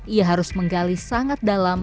ia harus menggali sangat dalam